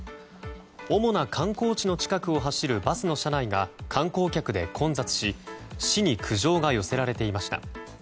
主な観光地の近くを走るバスの車内が観光客で混雑し市に苦情が寄せられていました。